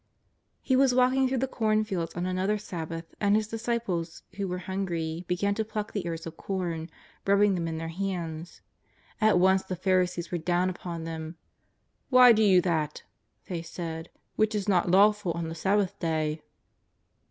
He was walking through the cornfields on another Sabbath, and His disciples who were hungry began to pluck the ears of corn, rubbing them in their hands. At once the Pharisees were down upon them: " Why do you that,'' they said " which is not lawful on the Sabbath day